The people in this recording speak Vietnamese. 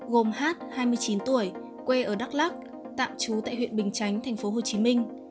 gồm h hai mươi chín tuổi quê ở đắk lắc tạm trú tại huyện bình chánh tp hcm